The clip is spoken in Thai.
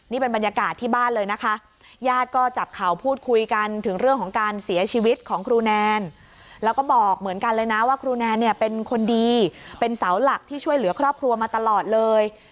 นี่เป็นบรรยากาศที่บ้านเลยนะคะญาติก็จับเข่าพูดคุยกันถึงเรื่องของการเสียชีวิตของครูแนนแล้วก็บอกเหมือนกันเลยนะว่าครูแนนเนี่ยเป็นคนดีเป็นเสาหลักที่ช่วยเหลือครอบครัวมาตลอดเลย